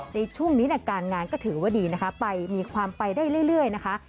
ในช่วงนี้การงานก็ถือว่าดีนะคะไปมีความไปได้เรื่อยนะคะ